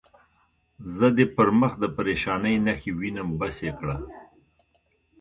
زه دې پر مخ د پرېشانۍ نښې وینم، بس یې کړه.